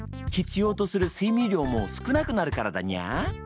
必要とする睡眠量も少なくなるからだにゃー。